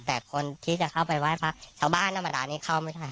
แต่คนที่จะเข้าไปไหว้พระชาวบ้านธรรมดานี้เข้าไม่ทัน